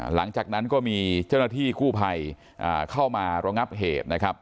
หลังจากนั้นก็มีเจ้าหน้าที่กู้ภัยเข้ามาระงับเหตุนะครับ